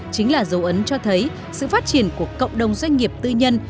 chính là dấu ấn cho thấy sự phát triển của cộng đồng doanh nghiệp tư nhân